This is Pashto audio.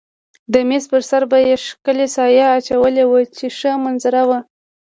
د مېز پر سر به یې ښکلې سایه اچولې وه چې ښه منظر و.